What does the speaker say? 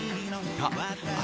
あ